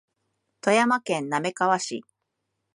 富山県滑川市